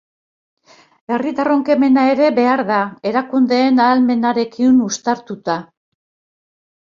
Herritarron kemena ere behar da, erakundeen ahalmenarekin uztartuta.